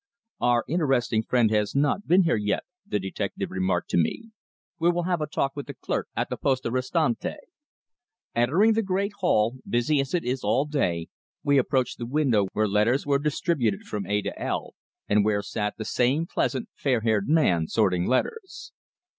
"Our interesting friend has not been here yet," the detective remarked to me. "We will have a talk with the clerk at the Poste Restante." Entering the great hall, busy as it is all day, we approached the window where letters were distributed from A to L, and where sat the same pleasant, fair haired man sorting letters.